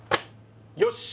よし！